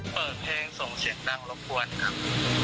เปิดเพลงส่งเสียงดังรบกวนครับ